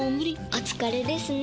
お疲れですね。